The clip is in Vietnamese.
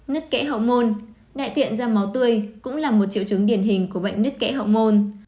nứt kẽ hậu môn đại tiện ra máu tươi cũng là một triệu chứng điển hình của bệnh nứt kẽ hậu